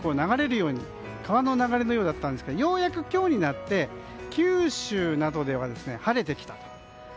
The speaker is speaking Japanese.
川の流れのようだったんですがようやく今日になって九州などで晴れてきた。